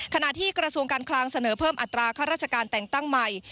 ที่กระทรวงการคลังเสนอเพิ่มอัตราข้าราชการแต่งตั้งใหม่